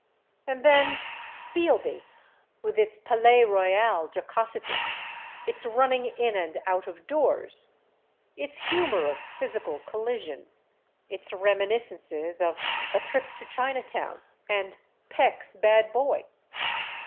And then "Bealby," with its Palais Royal jocosity, its running in and out of doors, its humor of physical collision, its reminiscences of "A Trip to Chinatown" and "Peck's Bad Boy."